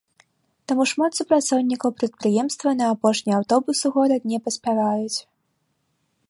Таму шмат супрацоўнікаў прадпрыемства на апошні аўтобус у горад не паспяваюць.